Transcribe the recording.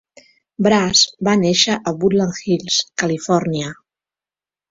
Brass va néixer a Woodland Hills, Califòrnia.